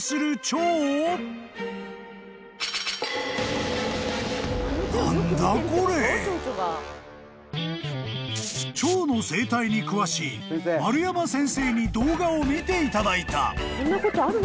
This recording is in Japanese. ［チョウの生態に詳しい丸山先生に動画を見ていただいた］